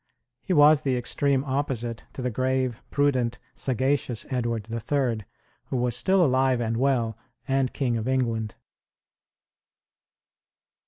He was the extreme opposite to the grave, prudent, sagacious Edward III, who was still alive and well, and King of England.